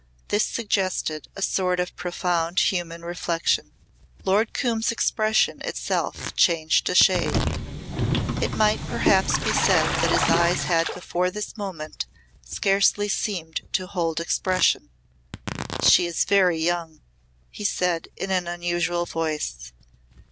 This suggested a sort of profound human reflection. Lord Coombe's expression itself changed a shade. It might perhaps be said that his eyes had before this moment scarcely seemed to hold expression. "She is very young," he said in an unusual voice.